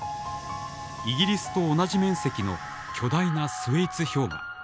イギリスと同じ面積の巨大なスウェイツ氷河。